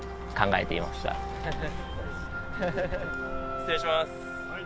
失礼します。